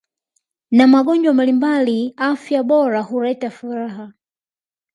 na magonjwa mbalimbali afya bora huleta furaha